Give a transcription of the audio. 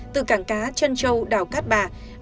từ cảng cá chân châu đảo cát bà